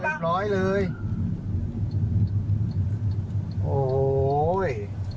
เป็นร้อยเลย